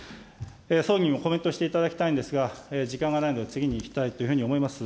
総理にもコメントしていただきたいんですが、時間がないので次にいきたいというふうに思います。